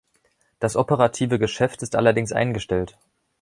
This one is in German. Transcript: Das operative Geschäft ist allerdings eingestellt.